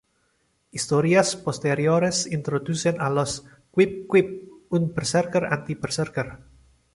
Historias posteriores introducen a los "qwib-qwib", un berserker anti-berserker.